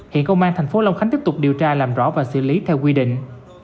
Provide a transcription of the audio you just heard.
hiện công an tp long khánh tiếp tục điều tra làm rõ và xử lý theo quy định